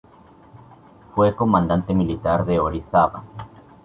Fue comandante militar de Orizaba.